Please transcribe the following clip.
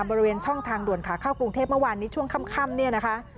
บริเวณช่องทางด่วนขาเข้ากรุงเทพเมื่อวานนี้ช่วงค่ำเนี่ยนะคะ